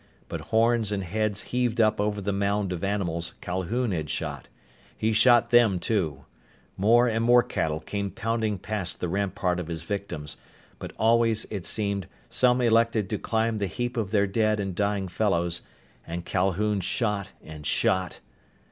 But horns and heads heaved up over the mound of animals Calhoun had shot. He shot them too. More and more cattle came pounding past the rampart of his victims, but always, it seemed, some elected to climb the heap of their dead and dying fellows, and Calhoun shot and shot....